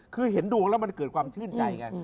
คือเห็นดวงแล้วมันเกิดความชื่นใจไง